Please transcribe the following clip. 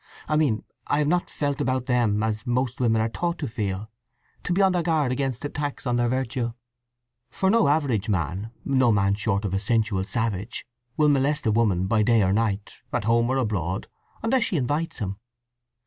I mean I have not felt about them as most women are taught to feel—to be on their guard against attacks on their virtue; for no average man—no man short of a sensual savage—will molest a woman by day or night, at home or abroad, unless she invites him.